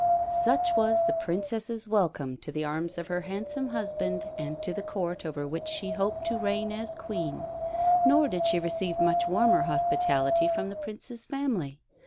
'" Such was the Princess's welcome to the arms of her handsome husband and to the Court over which she hoped to reign as Queen; nor did she receive much warmer hospitality from the Prince's family.